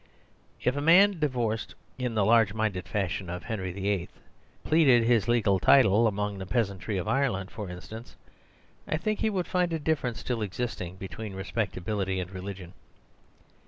If a man divorced in the large minded fashion of Henry the Eighth pleaded his legal /title among the peasantry of Ireland, for instance, I think he would find a difference still exist ing between respectability and religion.